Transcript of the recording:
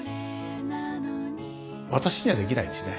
私にはできないですね。